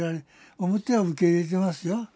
表は受け入れてますよ。